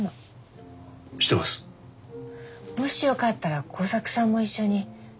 もしよかったら耕作さんも一緒に。